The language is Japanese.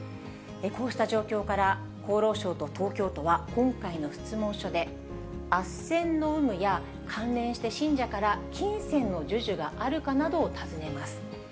こうした状況から、厚労省と東京都は、今回の質問書で、あっせんの有無や、関連して信者から金銭の授受があるかなどを尋ねます。